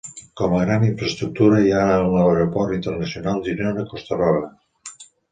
Com a gran infraestructura hi ha l'aeroport Internacional Girona Costa Brava.